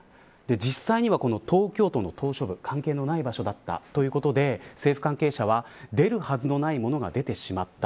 実際には、東京都の島しょ部関係のない場所だったということで政府関係者は、出るはずのないものが出てしまった。